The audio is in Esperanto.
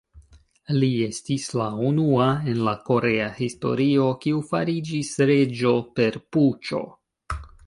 Li estis la unua en la korea historio, kiu fariĝis reĝo per puĉo.